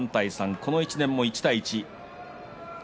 この１年も１対１。